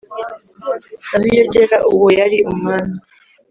sabiyogera uwo yari umwami